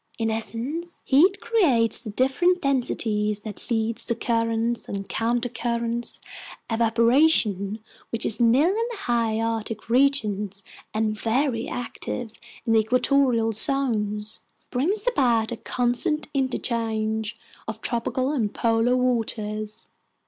In essence, heat creates the different densities that lead to currents and countercurrents. Evaporation, which is nil in the High Arctic regions and very active in equatorial zones, brings about a constant interchange of tropical and polar waters.